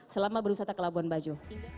selama berusaha ke labuan bajo